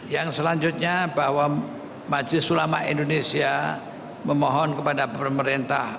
yang selanjutnya bahwa majlis ulama indonesia memohon kepada pemerintah